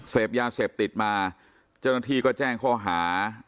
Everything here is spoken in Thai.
เซ็บยาเซ็บติดมาเจ้านัทที่ก็แจ้งคอหา